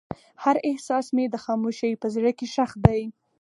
هر احساس مې د خاموشۍ په زړه کې ښخ دی.